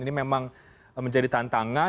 ini memang menjadi tantangan